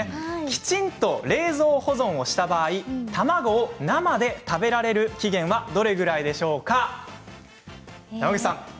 きちんと冷蔵保存をした場合卵を生で食べられる期限はどれくらいでしょうか。